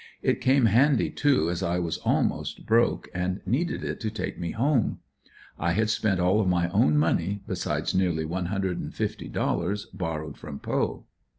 It came handy too as I was almost broke and needed it to take me home. I had spent all of my own money, besides nearly one hundred and fifty dollars borrowed from Poe.